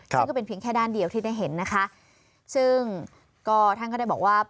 ซึ่งก็เป็นเพียงแค่ด้านเดียวที่ได้เห็นนะคะ